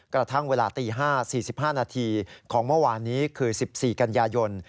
กระทั่งเวลาตี๕๔๕นาทีของเมื่อวานนี้คือ๑๔กันยายน